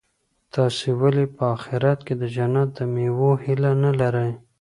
تاسي ولي په اخیرت کي د جنت د مېوو هیله نه لرئ؟